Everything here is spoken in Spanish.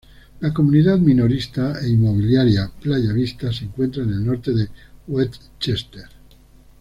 La comunidad minorista e inmobiliaria Playa Vista se encuentra en el norte de Westchester.